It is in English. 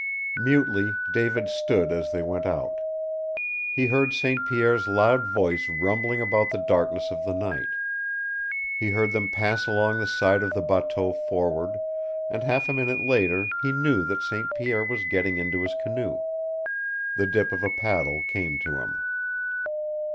Mutely David stood as they went out. He heard St. Pierre's loud voice rumbling about the darkness of the night. He heard them pass along the side of the bateau forward, and half a minute later he knew that St. Pierre was getting into his canoe. The dip of a paddle came to him.